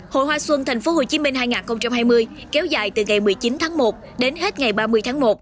hội hoa xuân tp hcm hai nghìn hai mươi kéo dài từ ngày một mươi chín tháng một đến hết ngày ba mươi tháng một